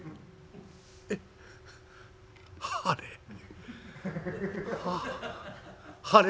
「えっはれ？